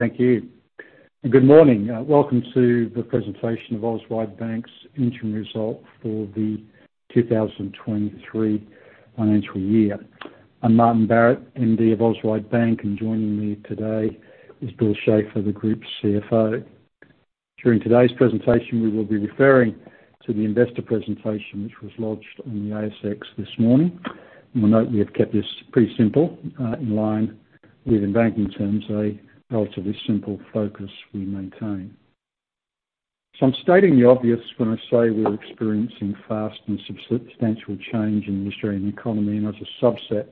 Thank you. Good morning. Welcome to the presentation of Auswide Bank's interim result for the 2023 financial year. I'm Martin Barrett, MD of Auswide Bank, and joining me today is Bill Schafer, the group CFO. During today's presentation, we will be referring to the investor presentation which was lodged on the ASX this morning. You will note we have kept this pretty simple, in line with in banking terms, a relatively simple focus we maintain. I'm stating the obvious when I say we're experiencing fast and sub-substantial change in the Australian economy and as a subset,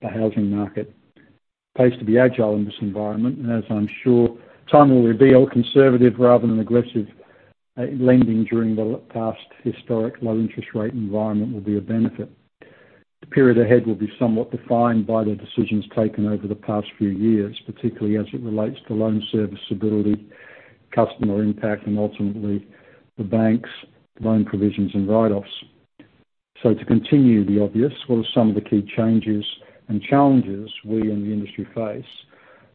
the housing market pays to be agile in this environment, and as I'm sure time will reveal conservative rather than aggressive lending during the past historic low interest rate environment will be a benefit. The period ahead will be somewhat defined by the decisions taken over the past few years, particularly as it relates to loan serviceability, customer impact, and ultimately the bank's loan provisions and write-offs. To continue the obvious, what are some of the key changes and challenges we in the industry face?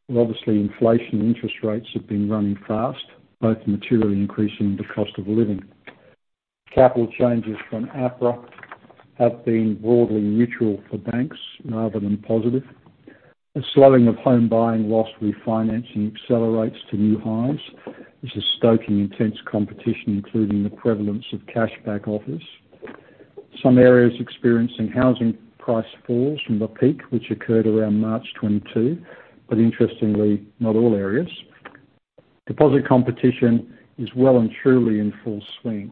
Well, obviously, inflation interest rates have been running fast, both materially increasing the cost of living. Capital changes from APRA have been broadly neutral for banks rather than positive. A slowing of home buying whilst refinancing accelerates to new highs, which is stoking intense competition, including the prevalence of cashback offers. Some areas experiencing housing price falls from the peak, which occurred around March 2022, but interestingly, not all areas. Deposit competition is well and truly in full swing,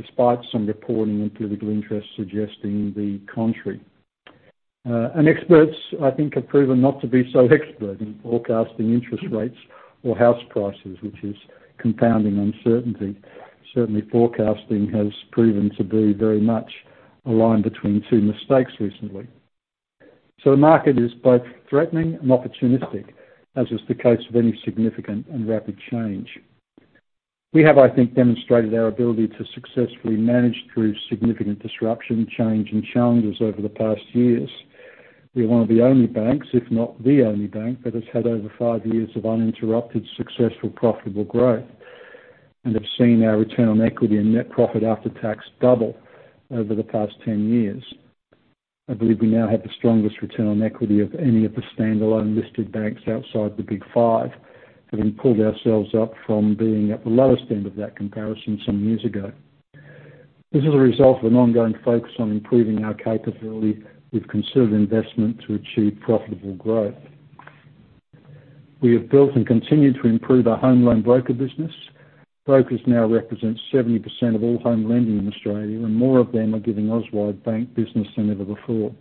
despite some reporting and political interest suggesting the contrary. Experts, I think, have proven not to be so expert in forecasting interest rates or house prices, which is compounding uncertainty. Certainly, forecasting has proven to be very much a line between two mistakes recently. The market is both threatening and opportunistic, as is the case with any significant and rapid change. We have, I think, demonstrated our ability to successfully manage through significant disruption, change and challenges over the past years. We're one of the only banks, if not the only bank, that has had over five years of uninterrupted, successful, profitable growth and have seen our return on equity and net profit after tax double over the past 10 years. I believe we now have the strongest return on equity of any of the standalone listed banks outside the Big Five, having pulled ourselves up from being at the lowest end of that comparison some years ago. This is a result of an ongoing focus on improving our capability with conservative investment to achieve profitable growth. We have built and continued to improve our home loan broker business. Brokers now represent 70% of all home lending in Australia, and more of them are giving Auswide Bank business than ever before.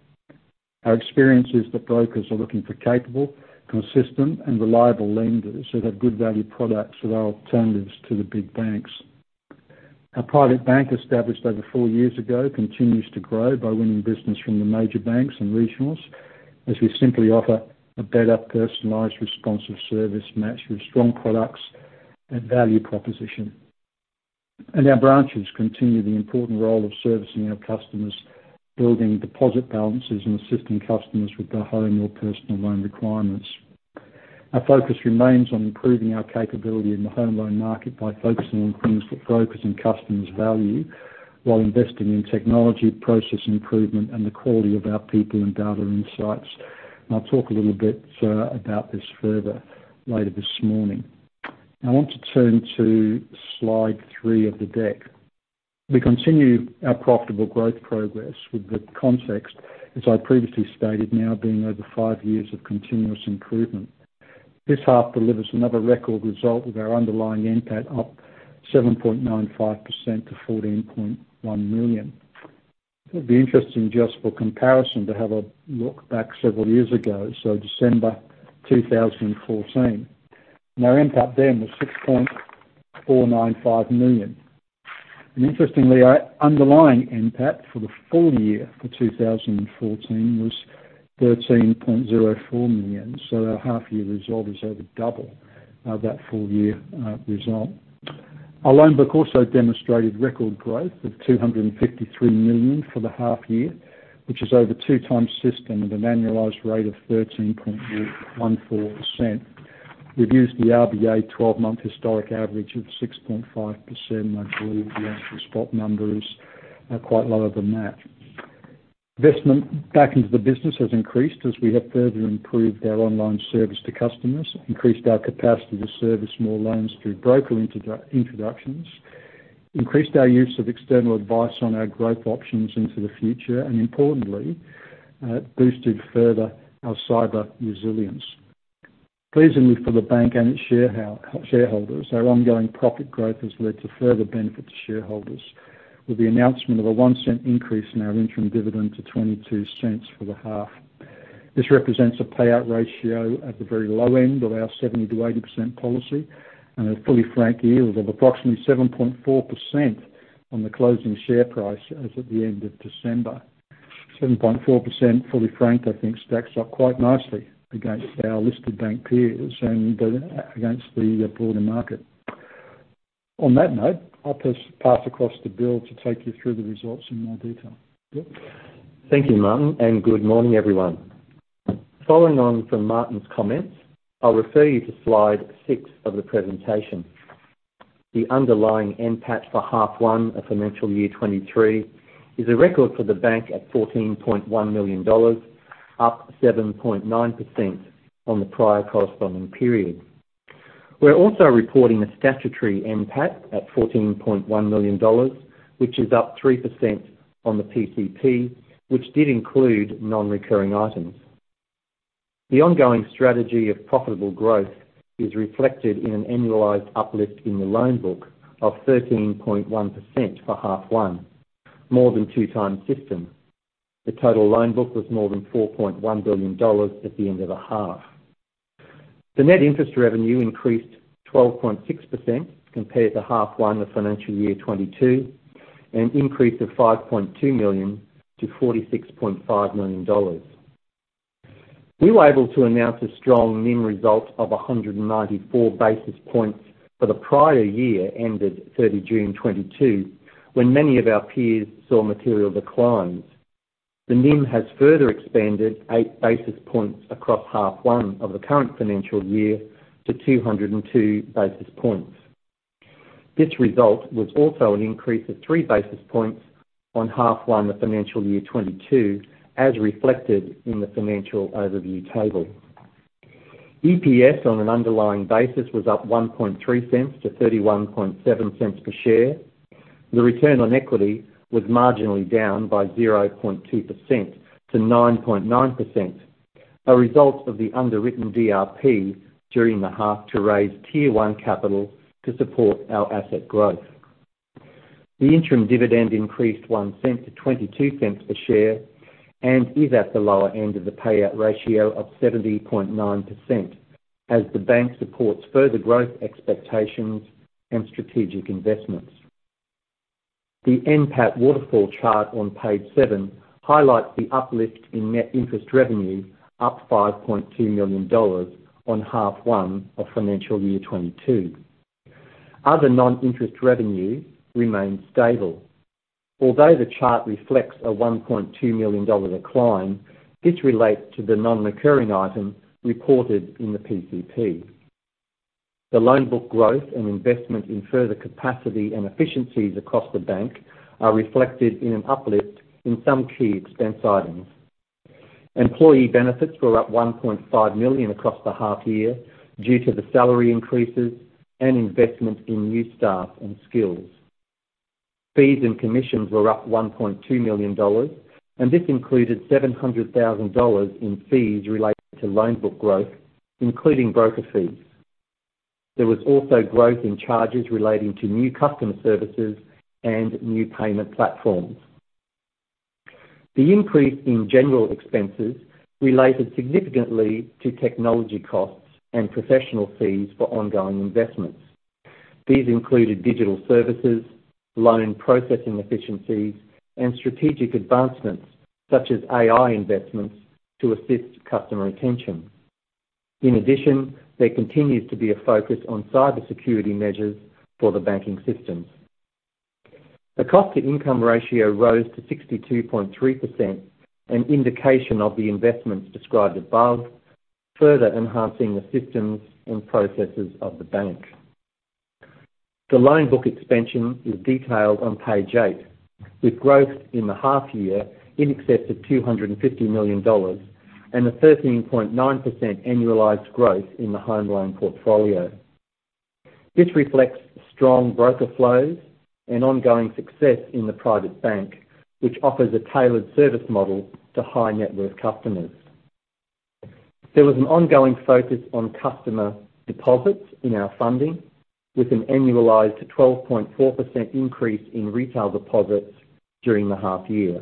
Our experience is that brokers are looking for capable, consistent and reliable lenders who have good value products that are alternatives to the big banks. Our private bank, established over four years ago, continues to grow by winning business from the major banks and regionals, as we simply offer a better personalized, responsive service matched with strong products and value proposition. Our branches continue the important role of servicing our customers, building deposit balances, and assisting customers with their home or personal loan requirements. Our focus remains on improving our capability in the home loan market by focusing on things that brokers and customers value while investing in technology, process improvement, and the quality of our people and data insights. I'll talk a little bit about this further later this morning. I want to turn to slide three of the deck. We continue our profitable growth progress with the context, as I previously stated, now being over five years of continuous improvement. This half delivers another record result with our underlying NPAT up 7.95% to 14.1 million. It'd be interesting just for comparison to have a look back several years ago, so December 2014. Our NPAT then was 6.495 million. Interestingly, our underlying NPAT for the full year for 2014 was 13.04 million. Our half year result is over double that full year result. Our loan book also demonstrated record growth of 253 million for the half year, which is over 2 times system at an annualized rate of 13.14%. We've used the RBA 12-month historic average of 6.5%. I believe the actual spot number is quite lower than that. Investment back into the business has increased as we have further improved our online service to customers, increased our capacity to service more loans through broker introductions, increased our use of external advice on our growth options into the future, and importantly, boosted further our cyber resilience. Pleasingly for the bank and its shareholders, our ongoing profit growth has led to further benefit to shareholders with the announcement of a 0.01 increase in our interim dividend to 0.22 for the half. This represents a payout ratio at the very low end of our 70%-80% policy and a fully franked yield of approximately 7.4% on the closing share price as at the end of December. 7.4%, fully franked, I think stacks up quite nicely against our listed bank peers and against the broader market. On that note, I'll pass across to Bill to take you through the results in more detail. Bill? Thank you, Martin. Good morning, everyone. Following on from Martin's comments, I'll refer you to Slide six of the presentation. The underlying NPAT for half one of financial year 2023 is a record for the bank at 14.1 million dollars, up 7.9% on the prior corresponding period. We're also reporting a statutory NPAT at 14.1 million dollars, which is up 3% on the PCP, which did include non-recurring items. The ongoing strategy of profitable growth is reflected in an annualized uplift in the loan book of 13.1% for half one, more than 2 times system. The total loan book was more than 4.1 billion dollars at the end of the half. The net interest revenue increased 12.6% compared to half one of financial year 2022, an increase of 5.2 million to 46.5 million dollars. We were able to announce a strong NIM result of 194 basis points for the prior year ended June 30, 2022, when many of our peers saw material declines. The NIM has further expanded 8 basis points across half one of the current financial year to 202 basis points. This result was also an increase of 3 basis points on half one of financial year 2022, as reflected in the financial overview table. EPS on an underlying basis was up 0.013 to 0.317 per share. The return on equity was marginally down by 0.2% to 9.9%, a result of the underwritten DRP during the half to raise Tier 1 capital to support our asset growth. The interim dividend increased 0.01 to 0.22 per share and is at the lower end of the payout ratio of 70.9% as the bank supports further growth expectations and strategic investments. The NPAT waterfall chart on page 7 highlights the uplift in net interest revenue, up 5.2 million dollars on half 1 of financial year 2022. Other non-interest revenue remains stable. Although the chart reflects a 1.2 million dollar decline, this relates to the non-recurring item reported in the PCP. The loan book growth and investment in further capacity and efficiencies across the bank are reflected in an uplift in some key expense items. Employee benefits were up 1.5 million across the half year due to the salary increases and investment in new staff and skills. Fees and commissions were up 1.2 million dollars. This included 700,000 dollars in fees related to loan book growth, including broker fees. There was also growth in charges relating to new customer services and new payment platforms. The increase in general expenses related significantly to technology costs and professional fees for ongoing investments. These included digital services, loan processing efficiencies, and strategic advancements such as AI investments to assist customer retention. In addition, there continues to be a focus on cybersecurity measures for the banking systems. The cost-to-income ratio rose to 62.3%, an indication of the investments described above, further enhancing the systems and processes of the bank. The loan book expansion is detailed on page 8, with growth in the half year in excess of 250 million dollars and a 13.9% annualized growth in the home loan portfolio. This reflects strong broker flows and ongoing success in the private bank, which offers a tailored service model to high-net-worth customers. There was an ongoing focus on customer deposits in our funding, with an annualized 12.4% increase in retail deposits during the half year.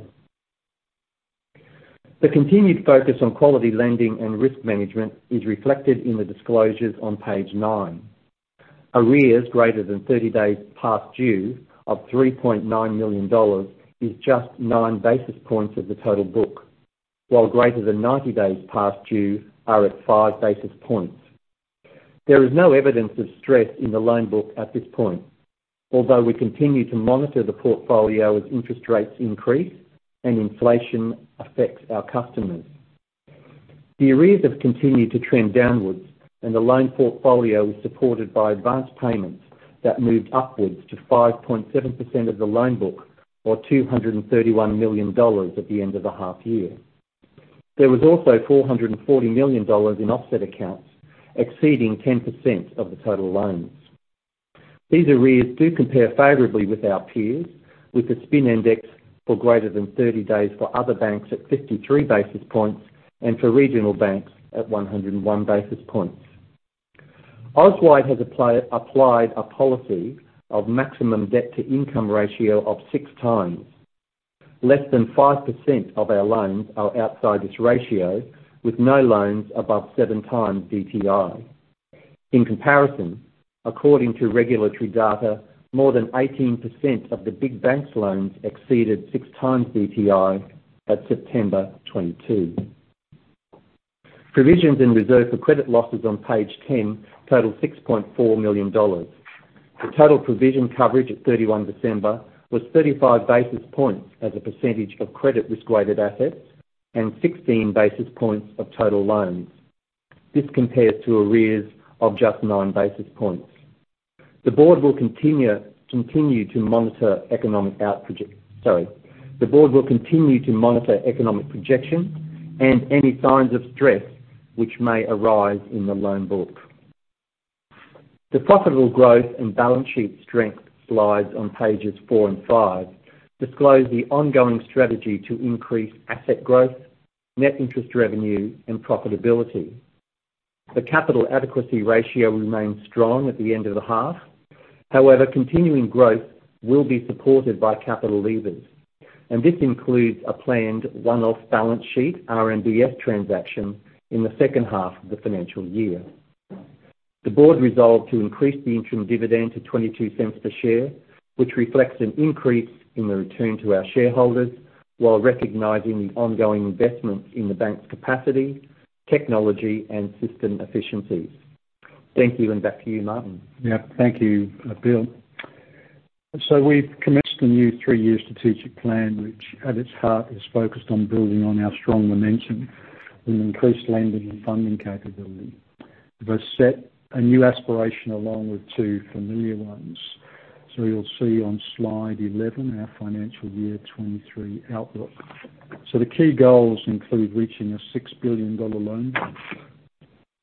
The continued focus on quality lending and risk management is reflected in the disclosures on page 9. Arrears greater than 30 days past due of 3.9 million dollars is just 9 basis points of the total book, while greater than 90 days past due are at 5 basis points. There is no evidence of stress in the loan book at this point, although we continue to monitor the portfolio as interest rates increase and inflation affects our customers. The arrears have continued to trend downwards, the loan portfolio was supported by advance payments that moved upwards to 5.7% of the loan book, or 231 million dollars at the end of the half year. There was also 440 million dollars in offset accounts, exceeding 10% of the total loans. These arrears do compare favorably with our peers, with the SPIN index for greater than 30 days for other banks at 53 basis points and for regional banks at 101 basis points. Auswide has applied a policy of maximum debt-to-income ratio of 6 times. Less than 5% of our loans are outside this ratio, with no loans above 7 times DTI. In comparison, according to regulatory data, more than 18% of the big banks' loans exceeded 6 times DTI at September 2022. Provisions in reserve for credit losses on page 10 total $6.4 million. The total provision coverage of December 31 was 35 basis points as a percentage of credit risk-weighted assets and 16 basis points of total loans. This compares to arrears of just 9 basis points. The board will continue to monitor economic projections and any signs of stress which may arise in the loan book. The profitable growth and balance sheet strength slides on pages 4 and 5 disclose the ongoing strategy to increase asset growth, net interest revenue, and profitability. The capital adequacy ratio remains strong at the end of the half. Continuing growth will be supported by capital levers, and this includes a planned one-off balance sheet RMBS transaction in the second half of the financial year. The board resolved to increase the interim dividend to 0.22 per share, which reflects an increase in the return to our shareholders while recognizing the ongoing investment in the bank's capacity, technology, and system efficiencies. Thank you. Back to you, Martin. Yeah. Thank you, Bill. We've commenced a new 3-year strategic plan which, at its heart is focused on building on our strong momentum with increased lending and funding capability. We've set a new aspiration along with two familiar ones. You'll see on slide 11 our financial year 23 outlook. The key goals include reaching an 6 billion dollar loan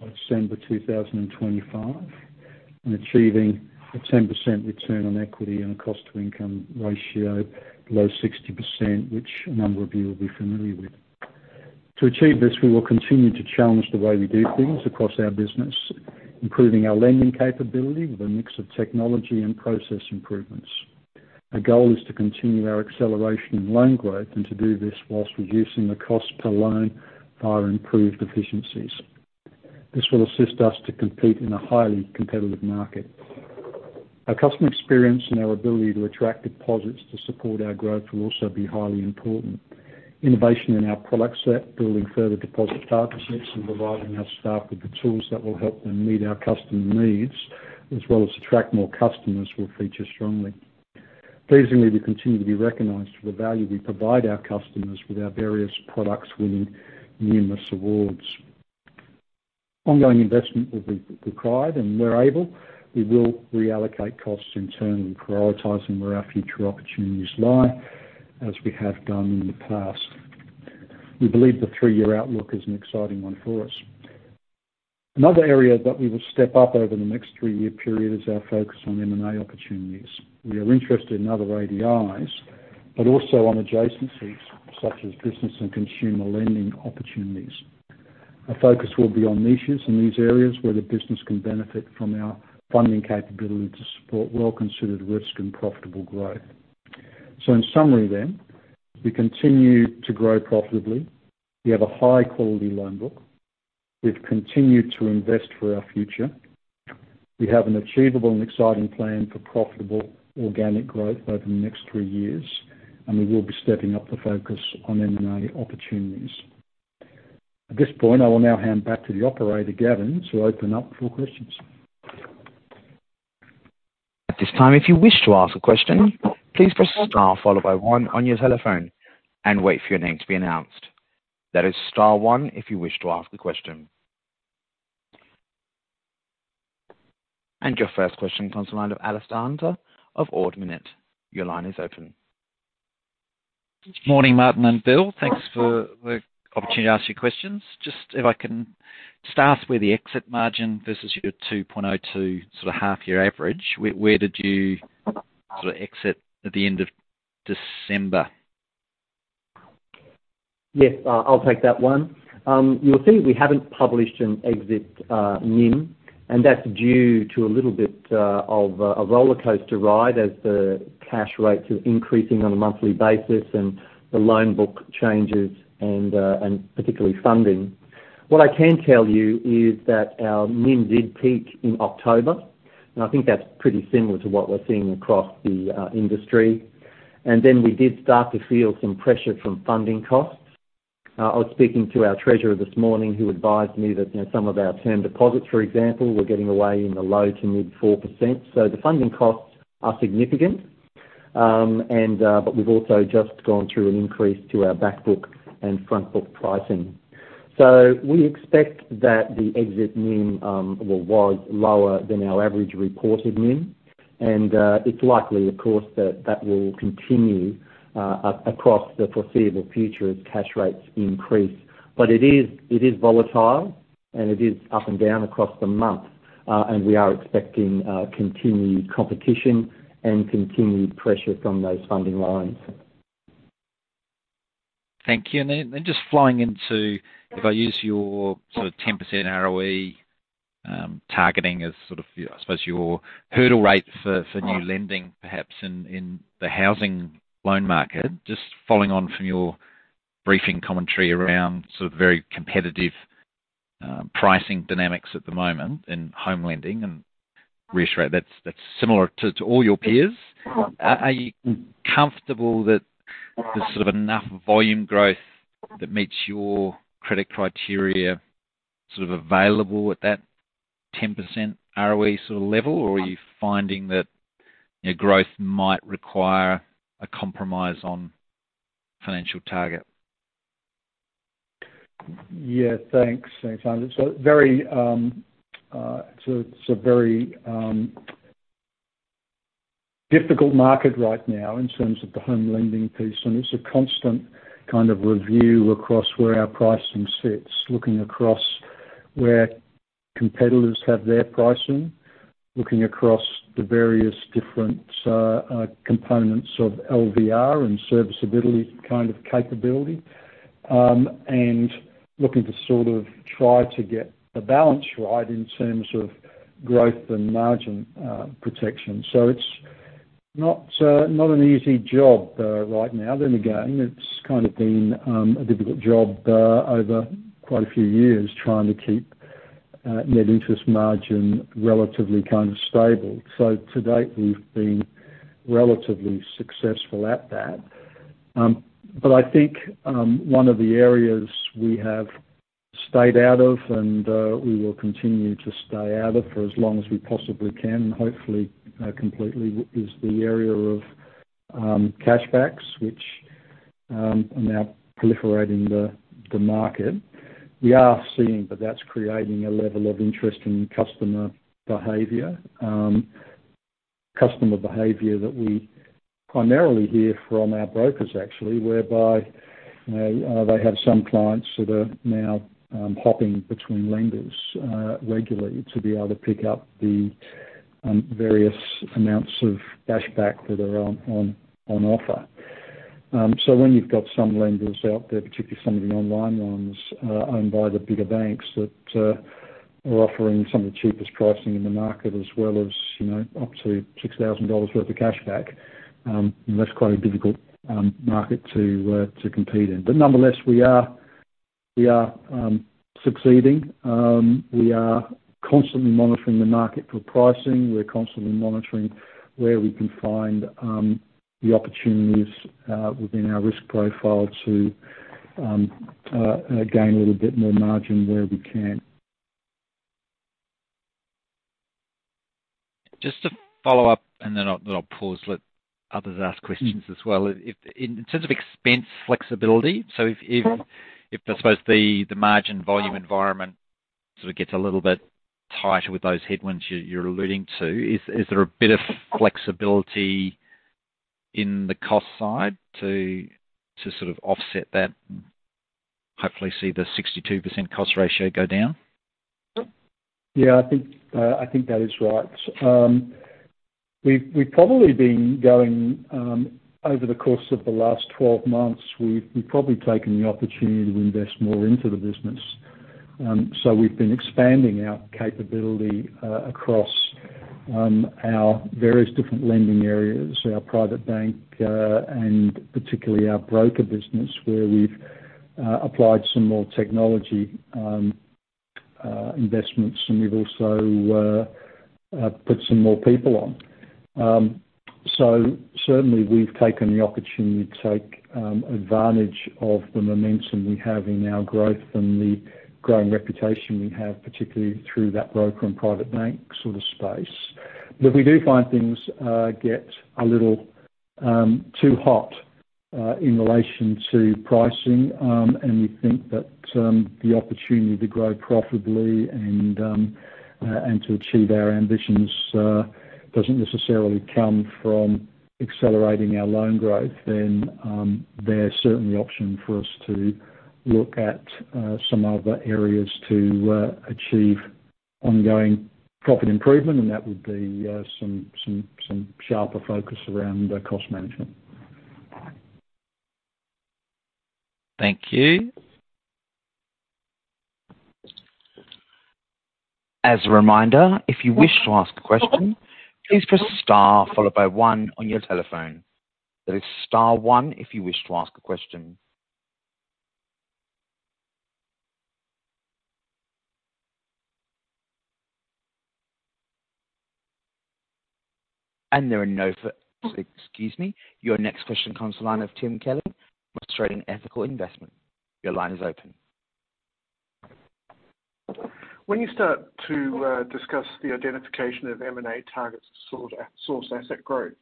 by December 2025 and achieving a 10% return on equity and a cost-to-income ratio below 60%, which a number of you will be familiar with. To achieve this, we will continue to challenge the way we do things across our business, improving our lending capability with a mix of technology and process improvements. Our goal is to continue our acceleration in loan growth and to do this whilst reducing the cost per loan via improved efficiencies. This will assist us to compete in a highly competitive market. Our customer experience and our ability to attract deposits to support our growth will also be highly important. Innovation in our product set, building further deposit partnerships, and providing our staff with the tools that will help them meet our customer needs, as well as attract more customers will feature strongly. Pleasingly, we continue to be recognized for the value we provide our customers with our various products winning numerous awards. Ongoing investment will be required and where able, we will reallocate costs internally, prioritizing where our future opportunities lie, as we have done in the past. We believe the three-year outlook is an exciting one for us. Another area that we will step up over the next three-year period is our focus on M&A opportunities. We are interested in other ADIs, but also on adjacencies such as business and consumer lending opportunities. Our focus will be on niches in these areas where the business can benefit from our funding capability to support well-considered risk and profitable growth. In summary, we continue to grow profitably. We have a high-quality loan book. We've continued to invest for our future. We have an achievable and exciting plan for profitable organic growth over the next three years, and we will be stepping up the focus on M&A opportunities. At this point, I will now hand back to the operator, Gavin, to open up for questions. At this time, if you wish to ask a question, please press star followed by one on your telephone and wait for your name to be announced. That is star one if you wish to ask a question. Your first question comes from the line of Alastair Hunter of Ord Minnett. Your line is open. Morning, Martin and Bill. Thanks for the opportunity to ask you questions. Just if I can start with the exit margin versus your 2.02% sort of half-year average. Where did you sort of exit at the end of December? Yes, I'll take that one. You'll see we haven't published an exit NIM, and that's due to a little bit of a rollercoaster ride as the cash rates are increasing on a monthly basis and the loan book changes and particularly funding. What I can tell you is that our NIM did peak in October, and I think that's pretty similar to what we're seeing across the industry. We did start to feel some pressure from funding costs. I was speaking to our treasurer this morning, who advised me that, you know, some of our term deposits, for example, were getting away in the low to mid-4%. The funding costs are significant, and we've also just gone through an increase to our back book and front book pricing. We expect that the exit NIM was lower than our average reported NIM. It's likely, of course, that that will continue across the foreseeable future as cash rates increase. It is volatile, and it is up and down across the month. We are expecting continued competition and continued pressure from those funding lines. Thank you. Then just flying into, if I use your sort of 10% ROE targeting as sort of I suppose your hurdle rate for new lending perhaps in the housing loan market, just following on from your briefing commentary around sort of very competitive pricing dynamics at the moment in home lending and Reassure that's similar to all your peers. Are you comfortable that there's sort of enough volume growth that meets your credit criteria sort of available at that 10% ROE sort of level? Or are you finding that your growth might require a compromise on financial target? Yeah, thanks. It's a very difficult market right now in terms of the home lending piece, and it's a constant kind of review across where our pricing sits. Looking across where competitors have their pricing, looking across the various different components of LVR and serviceability kind of capability, and looking to sort of try to get the balance right in terms of growth and margin protection. It's not an easy job right now. It's kind of been a difficult job over quite a few years trying to keep net interest margin relatively kind of stable. To date, we've been relatively successful at that. I think, one of the areas we have stayed out of, and we will continue to stay out of for as long as we possibly can, hopefully, completely is the area of cashbacks, which are now proliferating the market. We are seeing that that's creating a level of interest in customer behavior, customer behavior that we primarily hear from our brokers actually, whereby they have some clients that are now hopping between lenders, regularly to be able to pick up the various amounts of cashback that are on offer. When you've got some lenders out there, particularly some of the online ones, owned by the bigger banks that are offering some of the cheapest pricing in the market, as well as, you know, up to 6,000 dollars worth of cashback, that's quite a difficult market to compete in. Nonetheless, we are succeeding. We are constantly monitoring the market for pricing. We're constantly monitoring where we can find the opportunities within our risk profile to gain a little bit more margin where we can. Just to follow up, then I'll pause, let others ask questions as well. If in terms of expense flexibility, if I suppose the margin volume environment sort of gets a little bit tighter with those headwinds you're alluding to, is there a bit of flexibility in the cost side to sort of offset that and hopefully see the 62% cost ratio go down? Yeah, I think, I think that is right. We've probably been going over the course of the last 12 months, we've probably taken the opportunity to invest more into the business. We've been expanding our capability across our various different lending areas, our private bank, and particularly our broker business, where we've applied some more technology investments, and we've also put some more people on. Certainly we've taken the opportunity to take advantage of the momentum we have in our growth and the growing reputation we have, particularly through that broker and private bank sort of space. We do find things get a little too hot in relation to pricing. We think that the opportunity to grow profitably and to achieve our ambitions doesn't necessarily come from accelerating our loan growth. There's certainly option for us to look at some other areas to achieve ongoing profit improvement. That would be some sharper focus around the cost management. Thank you. As a reminder, if you wish to ask a question, please press star followed by 1 on your telephone. That is star 1 if you wish to ask a question. Excuse me. Your next question comes to line of Tim Kelly from Australian Ethical Investment. Your line is open. When you start to discuss the identification of M&A targets to sort source asset growth,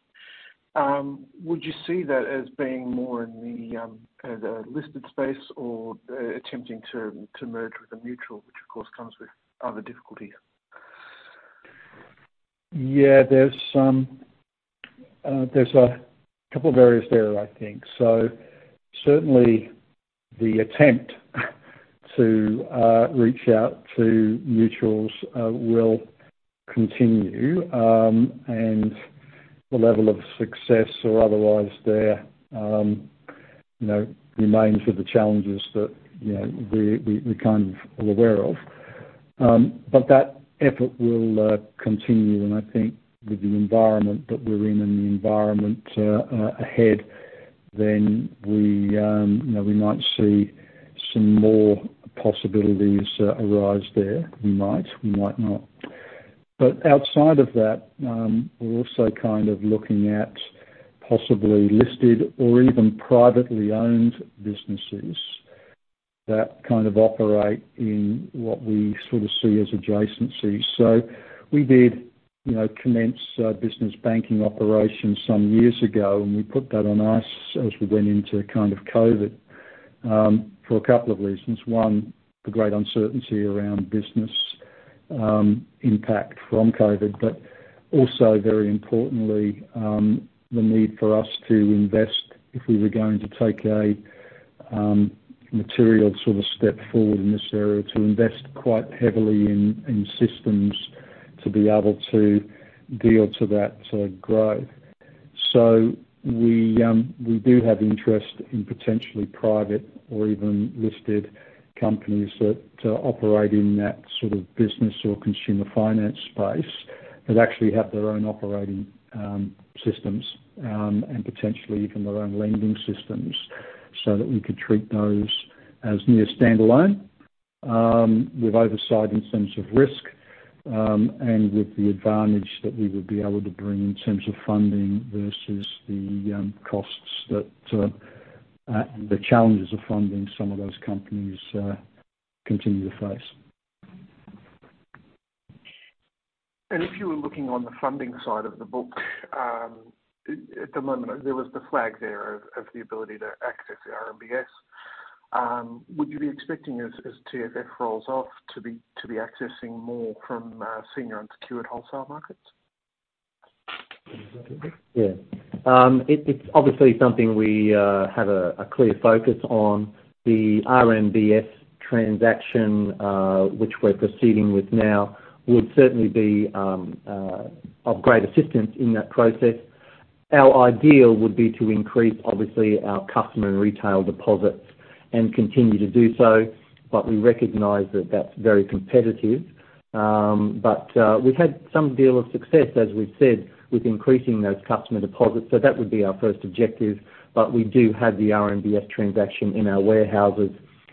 would you see that as being more in the listed space or attempting to merge with a mutual, which of course comes with other difficulty? Yeah, there's some, there's a couple of areas there, I think. Certainly the attempt to reach out to mutuals will continue, and the level of success or otherwise there, you know, remains with the challenges that, you know, we kind of are aware of. That effort will continue, and I think with the environment that we're in and the environment ahead, then we, you know, we might seeSome more possibilities arise there. We might, we might not. Outside of that, we're also kind of looking at possibly listed or even privately owned businesses that kind of operate in what we sort of see as adjacencies. We did, you know, commence business banking operations some years ago, and we put that on ice as we went into kind of COVID for a couple of reasons. One, the great uncertainty around business impact from COVID. Very importantly, the need for us to invest if we were going to take a material sort of step forward in this area to invest quite heavily in systems to be able to deal to that sort of growth. We do have interest in potentially private or even listed companies that operate in that sort of business or consumer finance space that actually have their own operating systems and potentially even their own lending systems so that we could treat those as near standalone with oversight in terms of risk and with the advantage that we would be able to bring in terms of funding versus the costs that the challenges of funding some of those companies continue to face. If you were looking on the funding side of the book, at the moment, there was the flag there of the ability to access the RMBS. Would you be expecting as TFF rolls off to be accessing more from senior unsecured wholesale markets? Yeah. It's obviously something we have a clear focus on. The RMBS transaction, which we're proceeding with now would certainly be of great assistance in that process. Our ideal would be to increase obviously our customer and retail deposits and continue to do so, but we recognize that that's very competitive. We've had some deal of success, as we've said, with increasing those customer deposits. That would be our first objective. We do have the RMBS transaction in our warehouses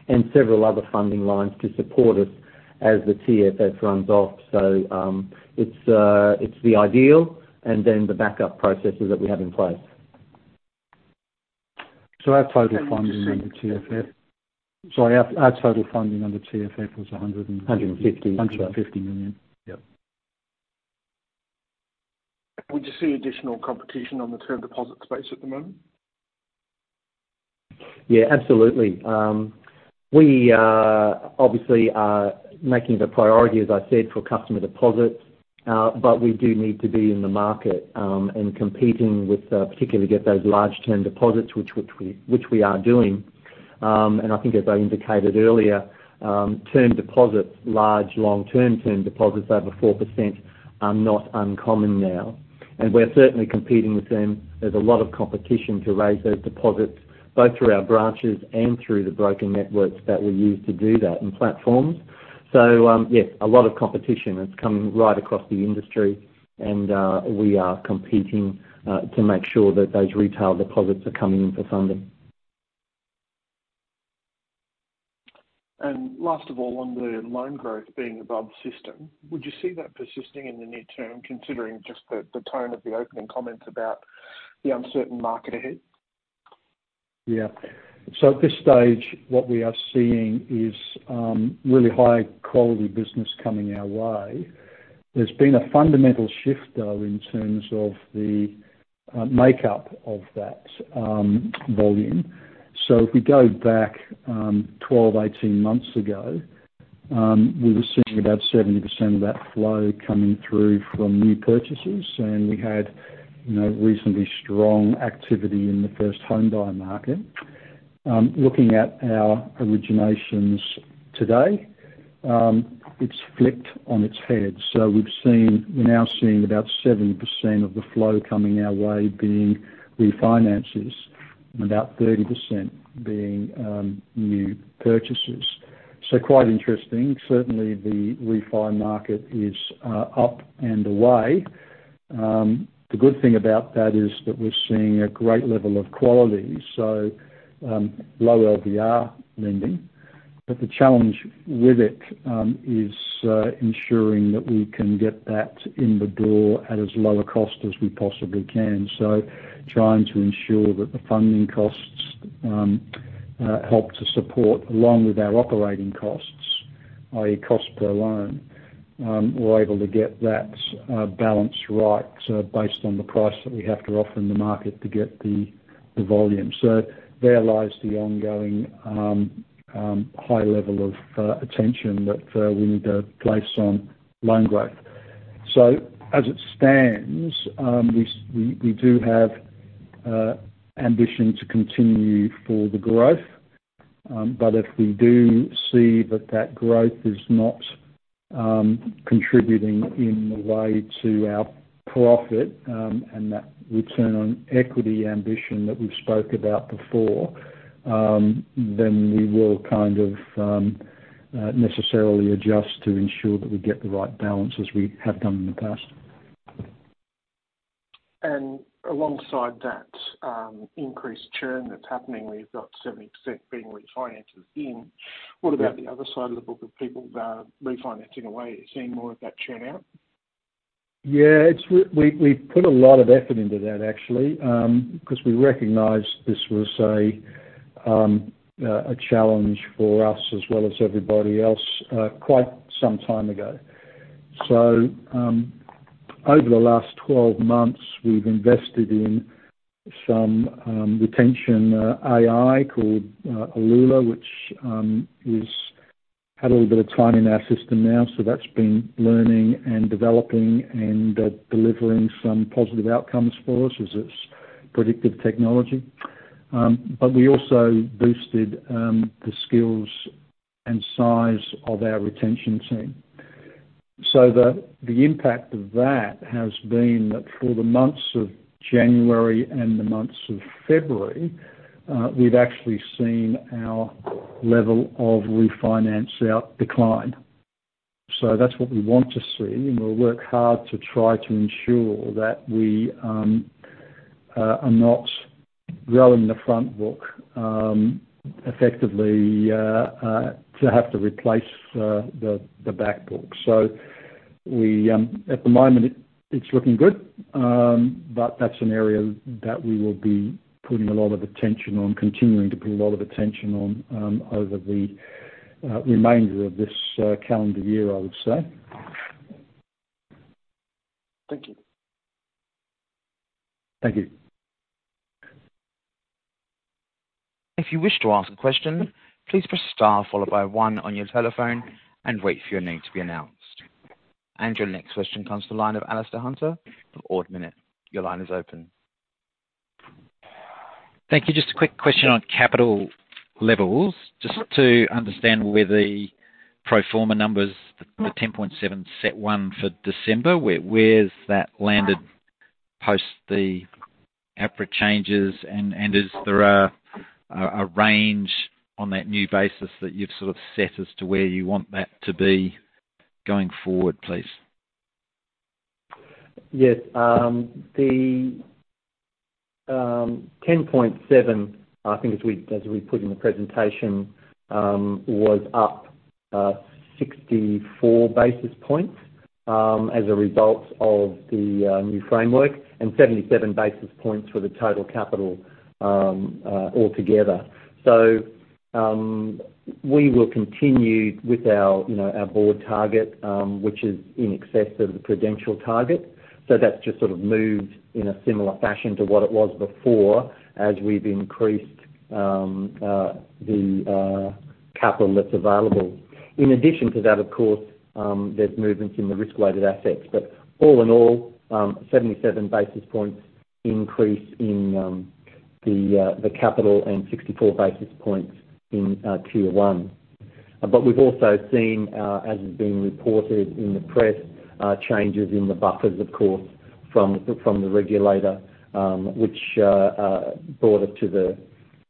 and several other funding lines to support us as the TFF runs off. It's the ideal and then the backup processes that we have in place. Sorry, our total funding under TFF was 100. 150. 150 million. Yep. Would you see additional competition on the term deposit space at the moment? Yeah, absolutely. We are obviously making it a priority, as I said, for customer deposits, but we do need to be in the market and competing with particularly to get those large term deposits which we are doing. I think as I indicated earlier, term deposits, large long-term term deposits over 4% are not uncommon now. We're certainly competing with them. There's a lot of competition to raise those deposits, both through our branches and through the broker networks that we use to do that, and platforms. Yes, a lot of competition that's coming right across the industry, and we are competing to make sure that those retail deposits are coming in for funding. Last of all, on the loan growth being above system, would you see that persisting in the near term, considering just the tone of the opening comments about the uncertain market ahead? At this stage, what we are seeing is really high quality business coming our way. There's been a fundamental shift though, in terms of the makeup of that volume. If we go back, 12, 18 months ago, we were seeing about 70% of that flow coming through from new purchases, and we had, you know, reasonably strong activity in the first home buyer market. Looking at our originations today, it's flipped on its head. We're now seeing about 70% of the flow coming our way being refinances and about 30% being new purchases. Quite interesting. Certainly, the refinance market is up and away. The good thing about that is that we're seeing a great level of quality, so low LVR lending. The challenge with it is ensuring that we can get that in the door at as low a cost as we possibly can. Trying to ensure that the funding costs help to support, along with our operating costs, i.e. cost per loan, we're able to get that balance right, based on the price that we have to offer in the market to get the volume. There lies the ongoing high level of attention that we need to place on loan growth. As it stands, we do have ambition to continue for the growth. If we do see that that growth is not contributing in the way to our profit, and that return on equity ambition that we've spoke about before, then we will kind of necessarily adjust to ensure that we get the right balance as we have done in the past. Alongside that, increased churn that's happening, where you've got 70% being refinanced in. What about the other side of the book of people, refinancing away? Are you seeing more of that churn out? We put a lot of effort into that actually, because we recognized this was a challenge for us as well as everybody else quite some time ago. Over the last 12 months, we've invested in some retention AI called Elula, which had a little bit of time in our system now. That's been learning and developing and delivering some positive outcomes for us as it's predictive technology. We also boosted the skills and size of our retention team. The impact of that has been that for the months of January and the months of February, we've actually seen our level of refinance out decline. That's what we want to see, and we'll work hard to try to ensure that we are not growing the front book, effectively to have to replace the back book. We, at the moment it's looking good, but that's an area that we will be putting a lot of attention on, continuing to put a lot of attention on, over the remainder of this calendar year, I would say. Thank you. Thank you. If you wish to ask a question, please press star followed by one on your telephone and wait for your name to be announced. Your next question comes to the line of Alastair Hunter of Ord Minnett. Your line is open. Thank you. Just a quick question on capital levels. Just to understand where the pro forma numbers, the 10.7 CET1 for December, where is that landed post the output changes? Is there a range on that new basis that you've sort of set as to where you want that to be going forward, please? Yes. The 10.7, I think as we, as we put in the presentation, was up 64 basis points as a result of the new framework, and 77 basis points for the total capital altogether. We will continue with our, you know, our board target, which is in excess of the Prudential target. That's just sort of moved in a similar fashion to what it was before as we've increased the capital that's available. In addition to that, of course, there's movements in the risk-weighted assets. All in all, 77 basis points increase in the capital and 64 basis points in Tier 1. we've also seen, as it's been reported in the press, changes in the buffers, of course, from the regulator, which brought it to the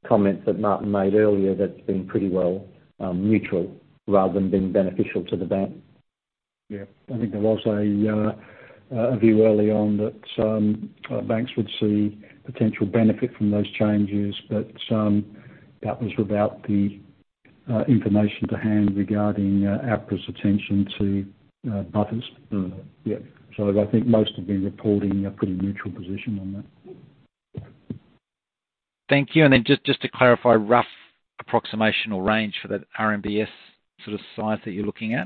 comments that Martin made earlier that's been pretty well, mutual rather than being beneficial to the bank. Yeah. I think there was a view early on that banks would see potential benefit from those changes, but that was without the information to hand regarding APRA's attention to buffers. Mm-hmm. Yeah. I think most have been reporting a pretty neutral position on that. Thank you. Then just to clarify, rough approximation or range for that RMBS sort of size that you're looking at?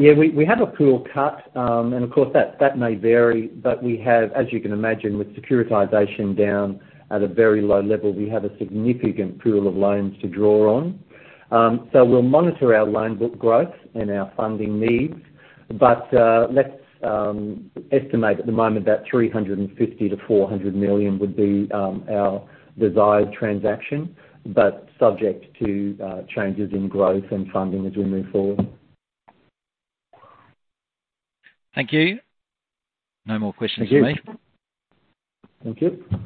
Yeah. We have a pool cut, and of course, that may vary, but we have, as you can imagine, with securitization down at a very low level, we have a significant pool of loans to draw on. We'll monitor our loan book growth and our funding needs. Let's estimate at the moment that 350 million-400 million would be our desired transaction, subject to changes in growth and funding as we move forward. Thank you. No more questions from me. Thank you.